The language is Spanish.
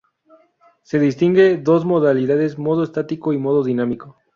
Se distinguen dos modalidades: "modo estático" y "modo dinámico".